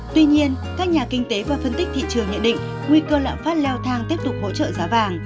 tuy nhiên các nhà kinh tế và phân tích thị trường nhận định nguy cơ lạm phát leo thang tiếp tục hỗ trợ giá vàng